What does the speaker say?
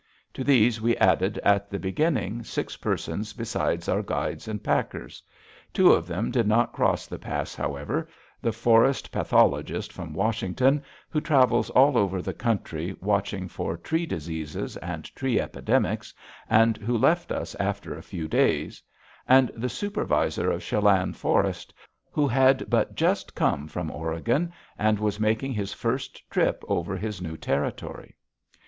To these we added at the beginning six persons besides our guides and packers. Two of them did not cross the pass, however the Forest Pathologist from Washington, who travels all over the country watching for tree diseases and tree epidemics and who left us after a few days, and the Supervisor of Chelan Forest, who had but just come from Oregon and was making his first trip over his new territory.